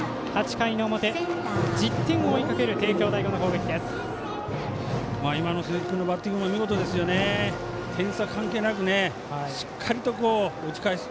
８回の表１０回を追いかける帝京第五の攻撃です。